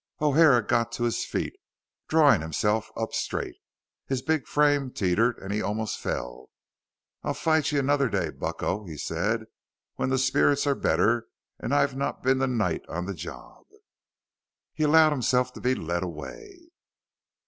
O'Hara got to his feet, drawing himself up straight. His big frame teetered and he almost fell. "I'll fight ye another day, Bucko," he said. "When the spirits are better and I've not been the night on the job." He allowed himself to be led away.